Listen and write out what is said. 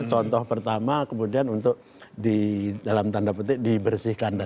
contoh pertama kemudian untuk di dalam tanda petik dibersihkan